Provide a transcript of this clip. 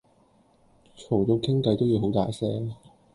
嘈到傾計都要好大聲